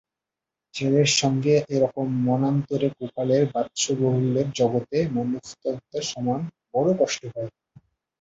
ছেলের সঙ্গে এরকম মনান্তর গোপালের বাৎসল্যেরও জগতে মস্বত্তরের সমান, বড় কষ্ট হয়।